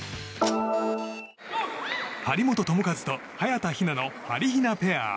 張本智和と早田ひなのはりひなペア。